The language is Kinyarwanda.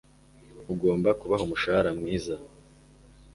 ugomba kubaha umushahara mwiza